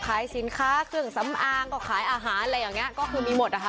ขายสินค้าเครื่องสำอางก็ขายอาหารอะไรอย่างนี้ก็คือมีหมดนะคะ